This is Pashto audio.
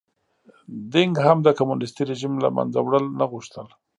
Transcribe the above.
دینګ هم د کمونېستي رژیم له منځه وړل نه غوښتل.